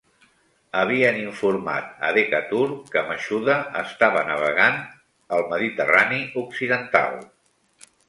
Havien informat a Decatur que Mashuda estava navegant el Mediterrani occidental.